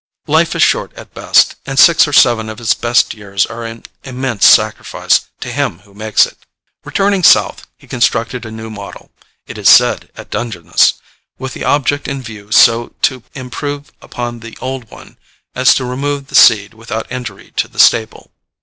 Life is short at best, and six or seven of its best years are an immense sacrifice to him who makes it." Returning South, he constructed a new model (it is said at Dungeness), with the object in view so to improve upon the old one as to remove the seed without injury to the staple.